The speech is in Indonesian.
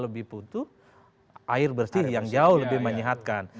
lebih butuh air bersih yang jauh lebih menyehatkan